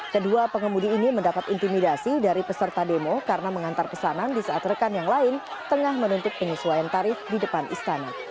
kedua pengemudi ini mendapat intimidasi dari peserta demo karena mengantar pesanan di saat rekan yang lain tengah menuntut penyesuaian tarif di depan istana